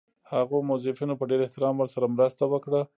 هغو موظفینو په ډېر احترام ورسره مرسته وکړه.